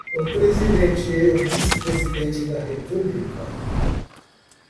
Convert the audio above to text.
o presidente e o vice-presidente da República